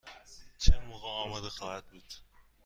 چه موقع آماده خواهد بود؟